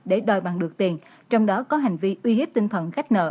để đòi bằng được tiền trong đó có hành vi uy hiếp tinh thần khách nợ